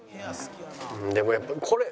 でもやっぱこれ。